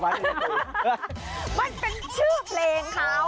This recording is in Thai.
มันเป็นชื่อเพลงครับ